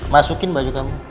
masukin baju kamu